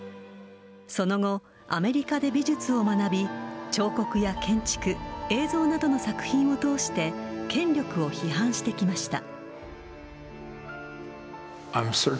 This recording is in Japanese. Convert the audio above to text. その後、アメリカで美術を学び、彫刻や建築、映像などの作品を通して、権力を批判してきました。